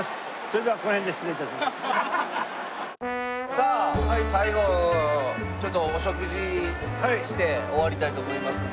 さあ最後ちょっとお食事して終わりたいと思いますので。